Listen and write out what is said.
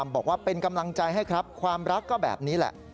บอกว่าเป็นกำลังใจให้ครับความรักก็แบบนี้แหละ